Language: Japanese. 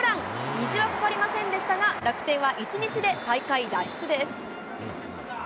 虹はかかりませんでしたが、楽天は１日で最下位脱出です。